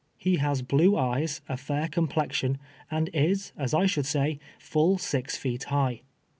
He has blue eyes, a fair complexion, and is, as I should say, full .i„v feet high.